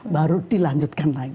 baru dilanjutkan lagi